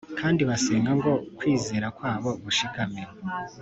kandi basenga ngo kwizera kwabo gushikame